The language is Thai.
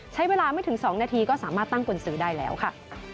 ใช้เวลาไม่ถึง๒นาทีก็สามารถตั้งกุญสือได้แล้วค่ะ